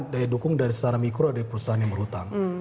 daya dukung dari secara mikro ada di perusahaan yang berhutang